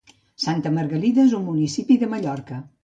Santa Margalida és un municipi de Mallorca.